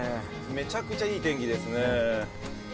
めちゃくちゃいい天気ですね。